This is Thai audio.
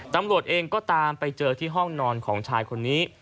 ตำรวจเองก็ตามไปเจอที่ห้องนอนของชายคนนี้